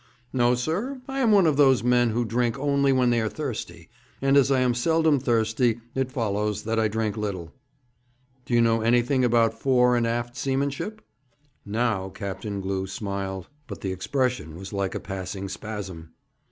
'No, sir. I am one of those men who drink only when they are thirsty, and as I am seldom thirsty it follows that I drink little.' 'Do you know anything about fore and aft seamanship?' Now Captain Glew smiled, but the expression was like a passing spasm.